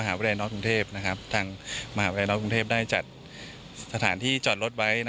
ทางมหาวิทยาลักษณ์กรุงเทพได้จัดสถานที่จอดรถไว้